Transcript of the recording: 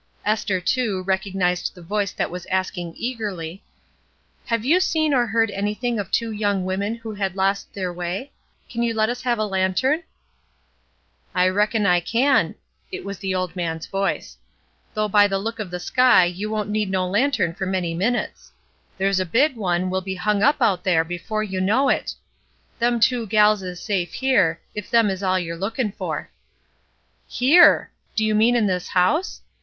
Esther, too, recognized the voice that was asking eagerly :—" Have you seen or heard anything of two young women who had lost their way? Can you let us have a lantern?" "I reckon I can," — it was the old man's voice, —" though by the look of the sky you won't need no lantern for many minutes. There's a big one will be hung out up there be fore you know it. Them two gals is safe here, if them is all you're lookin' for." MELINDY'S BED 187 ''Here! Do you mean in this house?"